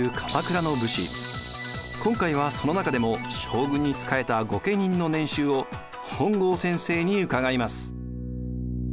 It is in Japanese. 今回はその中でも将軍に仕えた御家人の年収を本郷先生に伺います。